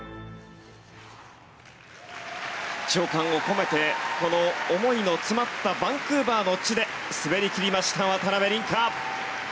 情感を込めてこの思いの詰まったバンクーバーの地で滑り切りました、渡辺倫果。